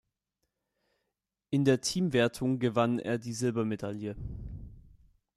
In der Teamwertung gewann er die Silbermedaille.